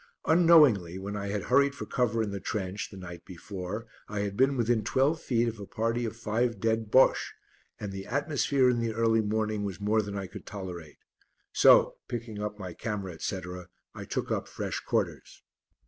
Unknowingly, when I had hurried for cover in the trench, the night before I had been within twelve feet of a party of five dead Bosches, and the atmosphere in the early morning was more than I could tolerate, so picking up my camera, etc., I took up fresh quarters.